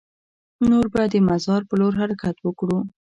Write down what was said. نور به د مزار په لور حرکت وکړو.